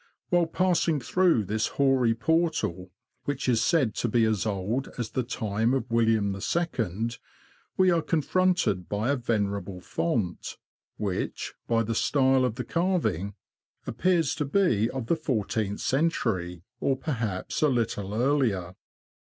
While passing through this hoary portal, which is said to be as old as the time of YARMOUTH TO LOWESTOFT. 39 William II., we are confronted by a venerable font, which, by the style of the carving, appears to be of the fourteenth century, or perhaps a little earlier.